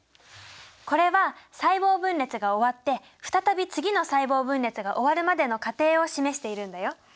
これは細胞分裂が終わって再び次の細胞分裂が終わるまでの過程を示しているんだよ。